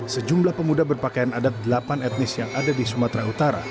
sejumlah pemuda berpakaian adat delapan etnis yang ada di sumatera utara